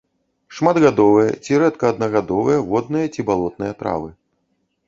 Шматгадовыя ці рэдка аднагадовыя водныя ці балотныя травы.